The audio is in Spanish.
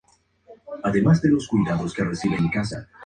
Lleva su nombre por una elevación del terreno con forma redondeada.